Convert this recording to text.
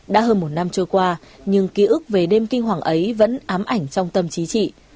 đã hơn một năm trôi qua nhưng ký ức về đêm kinh hoàng ấy vẫn ám ảnh trong tâm trí trị